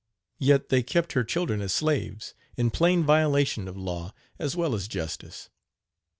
Yet they kept her children as slaves, in plain violation of law as well as justice.